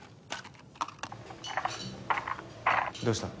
「」どうした？